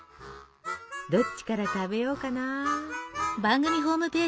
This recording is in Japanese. どっちから食べようかな。